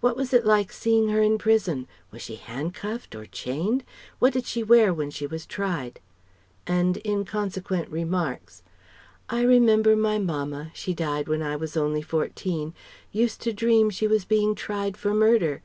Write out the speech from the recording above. What was it like seeing her in prison? Was she handcuffed? Or chained? What did she wear when she was tried?" And inconsequent remarks: "I remember my mamma she died when I was only fourteen used to dream she was being tried for murder.